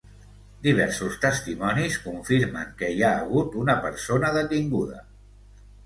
Diversos testimonis confirmen que hi ha hagut una persona detinguda.